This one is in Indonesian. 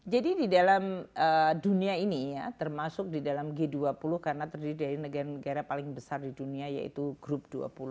jadi di dalam dunia ini ya termasuk di dalam g dua puluh karena terdiri dari negara negara paling besar di dunia yaitu grup dua puluh